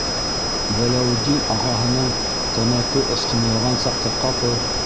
Вәләүетдин ағаһының тәмәке осҡонланған саҡта ҡапыл